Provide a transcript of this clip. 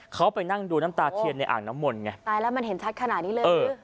เขาไปนั่งดูน้ำตาเทียนในอ่างน้ำมนต์ไงตายแล้วมันเห็นชัดขนาดนี้เลย